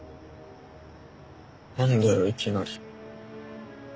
なんだよいきなり。